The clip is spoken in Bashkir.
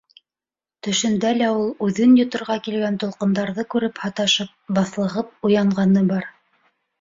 Төшөндә лә ул, үҙен йоторға килгән тулҡындарҙы күреп һаташып, баҫлығып уянғаны бар.